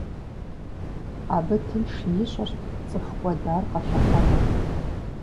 Абы тынш ищӏырт цӏыху кӏуэдар къэлъыхъуэныр.